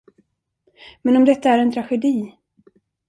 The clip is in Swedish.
Men om detta är en tragedi?